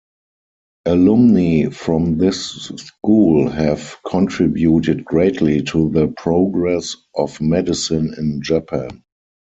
Alumni from this school have contributed greatly to the progress of medicine in Japan.